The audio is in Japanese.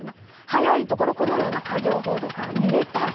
早いところ、このような過剰報道から逃げたい。